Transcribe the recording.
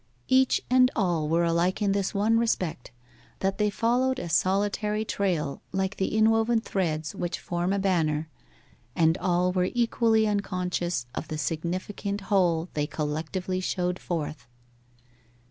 Each and all were alike in this one respect, that they followed a solitary trail like the inwoven threads which form a banner, and all were equally unconscious of the significant whole they collectively showed forth.